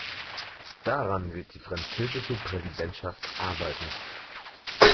Daran wird die französische Präsidentschaft arbeiten.